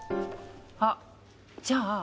あじゃあ